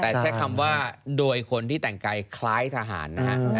แต่ใช้คำว่าโดยคนที่แต่งกายคล้ายทหารนะฮะ